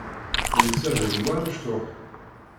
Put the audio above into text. Netta d gma amecṭuḥ.